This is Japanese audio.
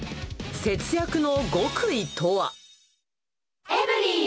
節約の極意とは。